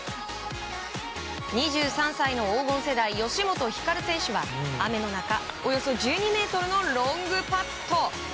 ２３歳の黄金世代吉本ひかる選手は雨の中およそ１２ｍのロングパット。